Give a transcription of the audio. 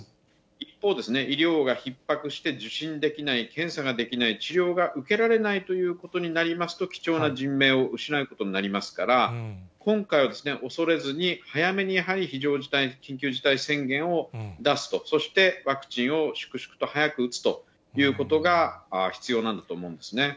一方、医療がひっ迫して受診できない、検査ができない、治療が受けられないということになりますと、貴重な人命を失うことになりますから、今回は恐れずに、早めに早い緊急事態宣言を出すと、そしてワクチンを粛々と早く打つということが必要なんだと思うんですね。